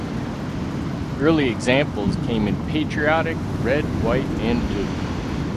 Early examples came in "patriotic" red, white, and blue.